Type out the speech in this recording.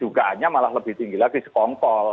dugaannya malah lebih tinggi lagi sekongkol